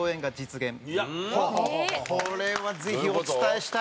これはぜひお伝えしたい。